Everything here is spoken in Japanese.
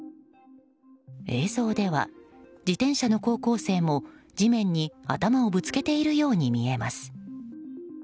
映像では自転車の高校生も地面に頭をぶつけているように見えます。